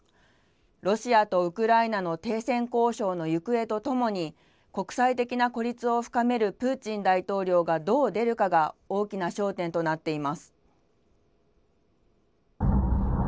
ロシアとウクライナの停戦交渉の行方とともに、国際的な孤立を深めるプーチン大統領がどう出るかが、大きな焦点となっています。